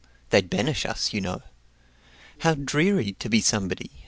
They 'd banish us, you know. How dreary to be somebody!